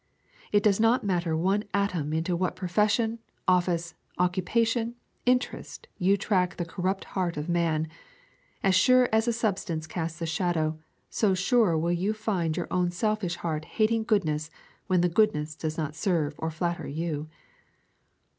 It does not matter one atom into what profession, office, occupation, interest you track the corrupt heart of man, as sure as a substance casts a shadow, so sure will you find your own selfish heart hating goodness when the goodness does not serve or flatter you.